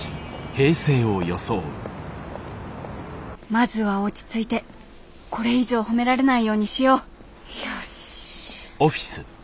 まずは落ち着いてこれ以上褒められないようにしようよし。